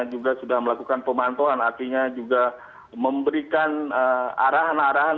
juga sudah melakukan pemantauan artinya juga memberikan arahan arahan